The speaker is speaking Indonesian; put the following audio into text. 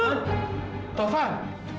ya allah gimana ini